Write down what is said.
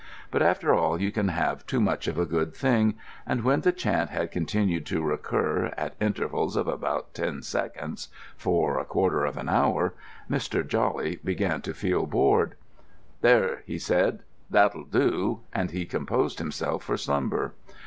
But after all you can have too much of a good thing; and when the chant had continued to recur, at intervals of about ten seconds, for a quarter of an hour, Mr. Jawley began to feel bored. "There!" said he, "that'll do," and he composed himself for slumber.